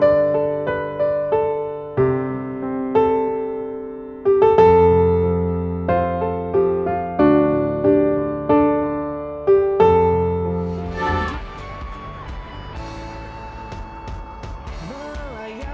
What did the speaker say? terima kasih pak